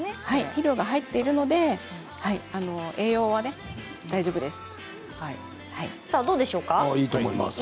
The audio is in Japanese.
肥料が入っているので栄養大丈夫です。